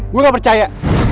gue gak percaya